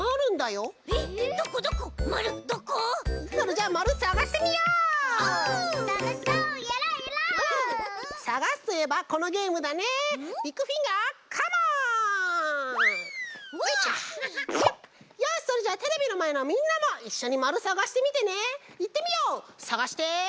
よしそれじゃあテレビのまえのみんなもいっしょにまるさがしてみてね！